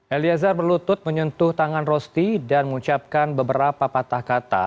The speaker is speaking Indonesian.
eliezer berlutut menyentuh tangan rosti dan mengucapkan beberapa patah kata